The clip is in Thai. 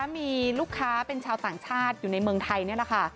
มีลูกค้าเป็นชาวต่างชาติอยู่ในเมืองไทยนี่แหละค่ะ